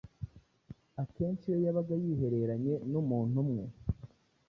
Akenshi iyo yabaga yihereranye n’umuntu umwe,